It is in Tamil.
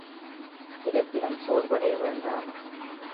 இருப்பினும், சோர்வடைய வேண்டாம்.